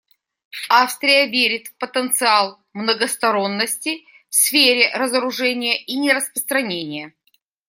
Австрия верит в потенциал многосторонности в сфере разоружения и нераспространения.